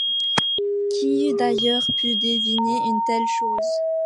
Qui eût d’ailleurs pu deviner une telle chose?